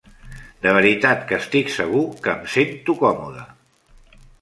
De veritat que estic segur que em sento còmode!